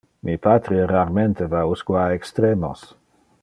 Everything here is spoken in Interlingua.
Mi patre rarmente va usque a extremos.